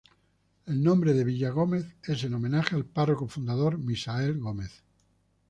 El nombre de Villagómez es en homenaje al párroco fundador Misael Gómez.